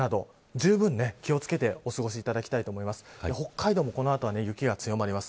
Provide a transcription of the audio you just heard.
じゅうぶん気をつけてお過ごしいただきたいと思います。